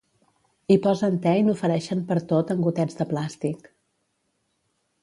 Hi posen te i n'ofereixen pertot en gotets de plàstic.